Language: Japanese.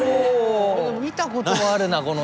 見たことはあるなこの映像。